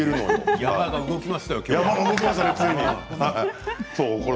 山が動きましたよ。